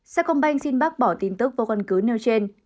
sa công banh xin bác bỏ tin tức vô quan cứu nêu trên